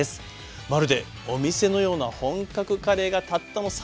まるでお店のような本格カレーがたったの３５分。